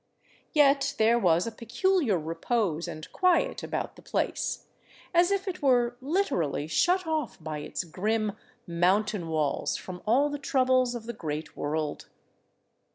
Yet there was a peculiar repose and quiet about the place, as if it were literally shut off by its grim mountain walls from all the troubles of the great world.